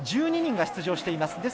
１２人が出場しています。